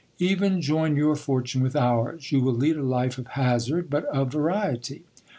Even join your fortune with ours : you will lead a life of hazard, but of variety.